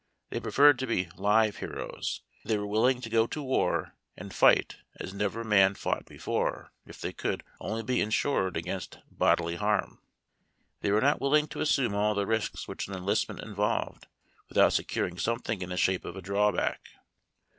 They preferred to be Uve heroes. They were willing to go to war and fight as never man fought before, if they could only be insured against bodily harm. They were not willing to assume all the risks which an enlistment involved, without securing; somethino' in the shape of a drawback.